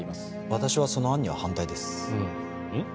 私はその案には反対ですうんうん？